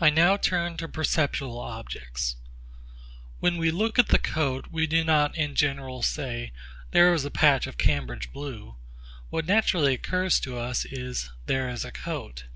I now turn to perceptual objects. When we look at the coat, we do not in general say, There is a patch of Cambridge blue; what naturally occurs to us is, There is a coat.